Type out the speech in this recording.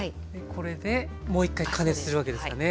これでもう一回加熱するわけですかね